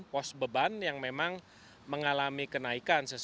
pos beban yang memang mengalami kenaikan